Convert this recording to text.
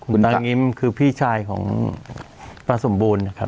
คุณตางิมคือพี่ชายของป้าสมบูรณ์นะครับ